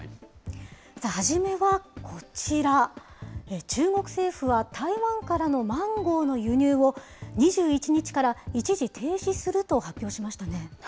さあ、初めはこちら、中国政府は台湾からのマンゴーの輸入を、２１日から一時停止すると発表しましたね。